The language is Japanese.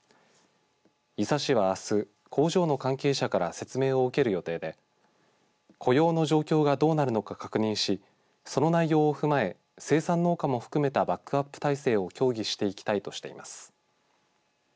伊佐市は、あす工場の関係者から説明を受ける予定で雇用の状況がどうなるのか確認しその内容を踏まえ生産農家も含めたバックアップ体制を協議していきたいとしています。